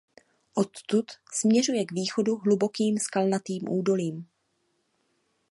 Odtud směřuje k východu hlubokým skalnatým údolím.